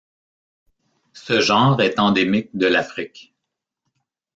Ce genre est endémique de l'Afrique.